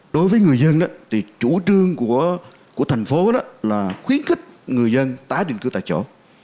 đối với người dân thì chủ trương của thành phố đó là khuyến khích người dân tái định cư tại chỗ